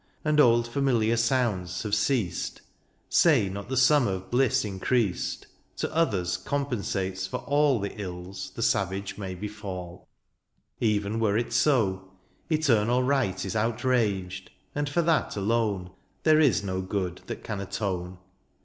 And old familiar sounds have ceased. Say not the sum of bUss increased To others, compensates for all The ills the savage may befaU ; Even were it so, eternal right Is outraged ; and for that alone There is no good that can atone.